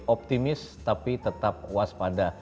optimis tapi tetap waspada